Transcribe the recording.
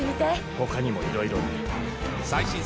他にもいろいろね。